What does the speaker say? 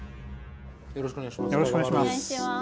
よろしくお願いします。